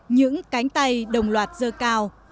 những cánh tay đồng loạt dơ cao